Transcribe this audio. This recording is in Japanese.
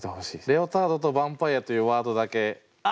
「レオタード」と「ヴァンパイア」というワードだけお渡しして。